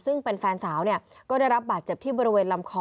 ซึ่งเป็นแฟนสาวก็ได้รับบาดเจ็บที่บริเวณลำคอ